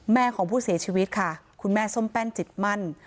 ของผู้เสียชีวิตค่ะคุณแม่ส้มแป้นจิตมั่น